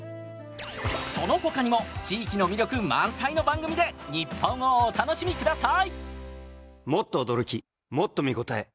そのほかにも地域の魅力満載の番組でニッポンをお楽しみ下さい。